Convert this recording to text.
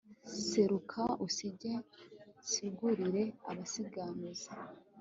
seruka usige nsigurire abagisiganuza